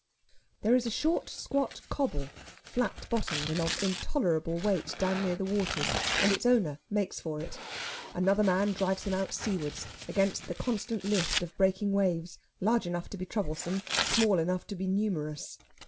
There is a short squat cobble, flat bottomed and of intolerable weight, down near the waters, and its owner makes for it. Another man drives him out seawards, against the constant lift of breaking waves, large enough to be troublesome, small enough to be numerous.